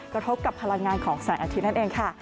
กระทบกับพลังงานของแสงอาทิตย์นั่นเองค่ะ